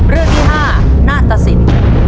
เรื่องที่๕นาตสิน